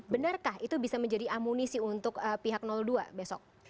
benarkah itu bisa menjadi amunisi untuk pihak dua besok